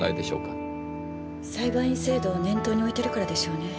裁判員制度を念頭に置いてるからでしょうね。